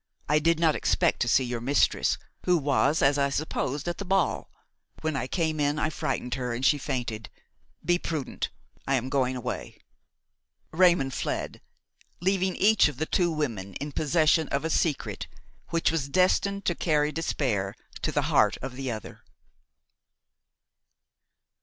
I did not expect to see your mistress, who was, as I supposed, at the ball. When I came in I frightened her and she fainted. Be prudent; I am going away." Raymon fled, leaving each of the two women in possession of a secret which was destined to carry despair to the heart of the other.